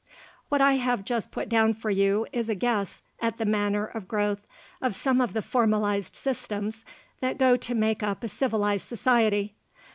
What I have just put down for you is a guess at the manner of growth of some of the formalized systems that go to make up a civilized society.